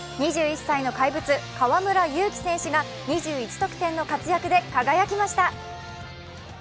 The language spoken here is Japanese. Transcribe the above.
２１歳の怪物・河村勇輝選手が２１得点の活躍で輝きました。